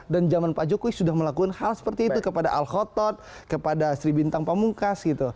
dan zaman pak jokowi sudah melakukan hal seperti itu kepada al khotot kepada sri bintang pamungkas gitu